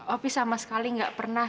opi sama sekali nggak pernah